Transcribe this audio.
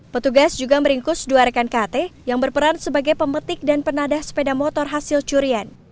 petugas juga meringkus dua rekan kt yang berperan sebagai pemetik dan penadah sepeda motor hasil curian